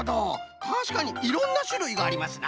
たしかにいろんなしゅるいがありますな！